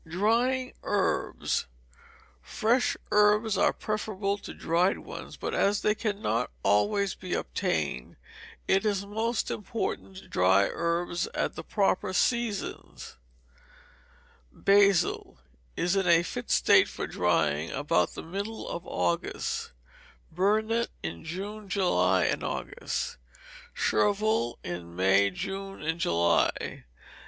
Drying Herbs. Fresh herbs are preferable to dried ones, but as they cannot always be obtained, it is most important to dry herbs at the proper seasons: Basil is in a fit state for drying about the middle of August, Burnet in June, July, and August, Chervil in May, June, and July.